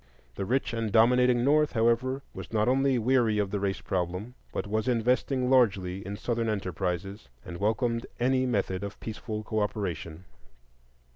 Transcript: The rich and dominating North, however, was not only weary of the race problem, but was investing largely in Southern enterprises, and welcomed any method of peaceful cooperation.